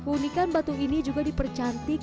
unikan batu ini juga dipercantik